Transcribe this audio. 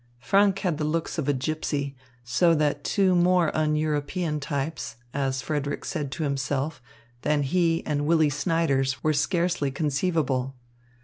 Franck had the looks of a gypsy; so that two more un European types, as Frederick said to himself, than he and Willy Snyders were scarcely conceivable.